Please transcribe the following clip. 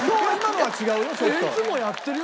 いつもやってるよ